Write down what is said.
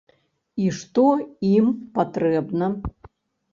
І што ім патрэбна.